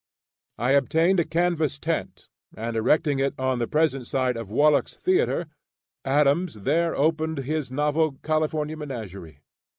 I obtained a canvas tent, and erecting it on the present site of Wallack's Theatre, Adams there opened his novel California Menagerie.